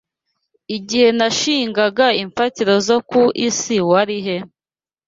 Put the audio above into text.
Igihe nashingaga imfatiro zo ku isi, wari he? ..